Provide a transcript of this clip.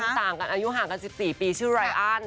แฟนต่างอายุห่างกัน๑๔ปีชื่อรายอ้าน